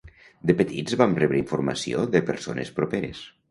De petits vam rebre informació de persones properes